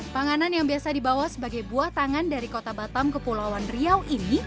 panganan yang biasa dibawa sebagai buah tangan dari kota batam kepulauan riau ini